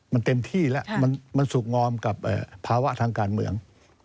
มันเต็มที่แล้วมันสุกงอมกับภาวะทางการเมือง